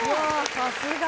さすが。